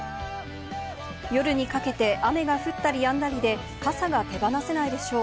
夜にかけて雨が降ったりやんだりで、傘が手放せないでしょう。